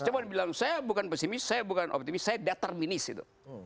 cuma bilang saya bukan pesimis saya bukan optimis saya datar minis itu